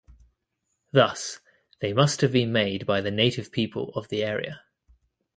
Thus, they must have been made by the native people of the area.